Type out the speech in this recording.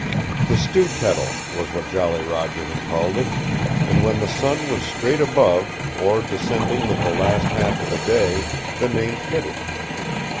The Stew Kettle was what Jolly Roger had called it, and when the sun was straight above, or descending with the last half of the day, the name fitted.